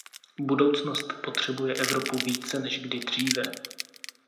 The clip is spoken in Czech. Budoucnost potřebuje Evropu více než kdy dříve.